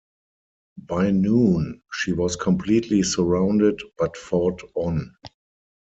By noon she was completely surrounded, but fought on.